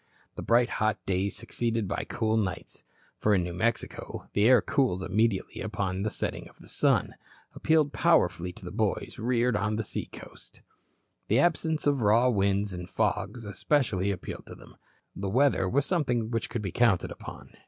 The bright hot days succeeded by cool nights for in New Mexico the air cools immediately upon the setting of the sun appealed powerfully to boys reared on the seacoast. The absence of raw winds and fogs especially appealed to them. The weather was something which could be counted upon.